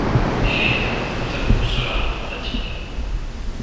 Hé! d’où sçavez-vous cela?... demanda-t-il.